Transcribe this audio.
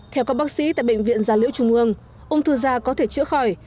theo các bác sĩ tại bệnh viện gia liễu trung ương ung thư da có thể chữa khỏi